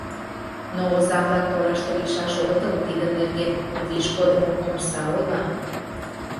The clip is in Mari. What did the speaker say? но оза-влак тораште лийшаш огытыл, тидын нерген виш кодымо омса ойла.